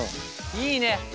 いいね！